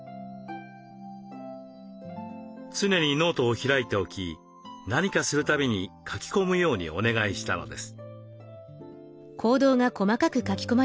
常にノートを開いておき何かするたびに書き込むようにお願いしたのです。